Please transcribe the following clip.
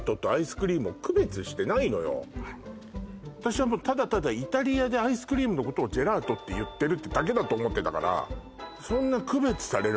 私そもそもはい私はもうただただイタリアでアイスクリームのことをジェラートって言ってるだけだと思ってたからそんな区別される